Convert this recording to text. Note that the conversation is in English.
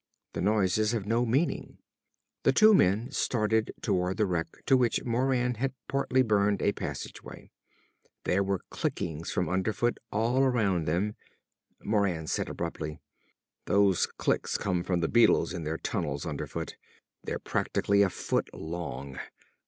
The noises have no meaning. The two men started toward the wreck to which Moran had partly burned a passageway. There were clickings from underfoot all around them. Moran said abruptly; "Those clicks come from the beetles in their tunnels underfoot. They're practically a foot long.